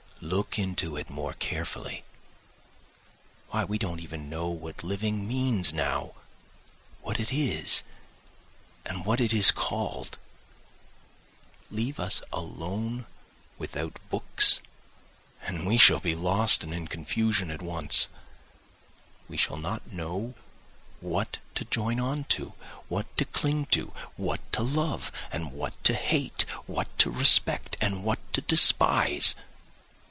Look into it more carefully! Why, we don't even know what living means now, what it is, and what it is called? Leave us alone without books and we shall be lost and in confusion at once. We shall not know what to join on to, what to cling to, what to love and what to hate, what to respect and what to despise.